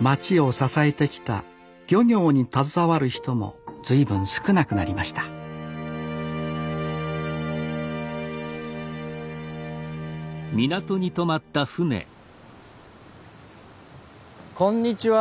町を支えてきた漁業に携わる人も随分少なくなりましたこんにちは。